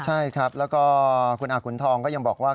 ใช่ครับแล้วก็คุณอาขุนทองก็ยังบอกว่า